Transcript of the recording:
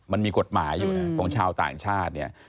มันมีกฎหมายอยู่นะของชาวต่างชาติเนี่ย